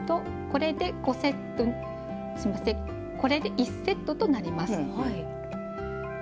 これで１セットとなります。